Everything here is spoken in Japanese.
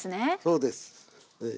そうです。